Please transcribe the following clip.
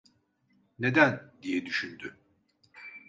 "Neden?" diye düşündü.